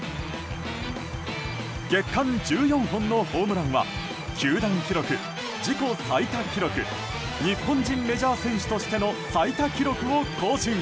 月間１４本のホームランは球団記録、自己最多記録日本人メジャー選手としての最多記録を更新。